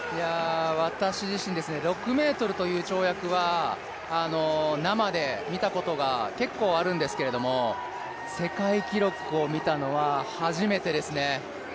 私自身、６ｍという跳躍は生で見たことが結構あるんですけれども、世界記録を見たのは初めてですね。